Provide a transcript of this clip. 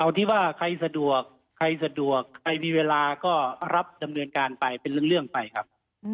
เอาที่ว่าใครสะดวกใครสะดวกใครมีเวลาก็รับดำเนินการไปเป็นเรื่องไปครับ